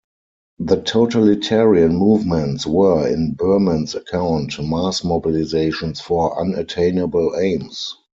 The totalitarian movements were, in Berman's account, mass mobilizations for unattainable aims.